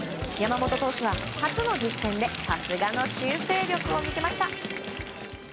山本投手は初の実戦でさすがの修正力を見せました。